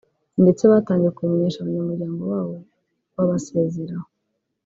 ndetse batangiye kubimenyesha abanyamuryango babo babasezeraho